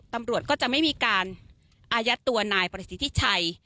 ตำรวจก็จะไม่มีการอายัดตัวนายประสิทธิชัย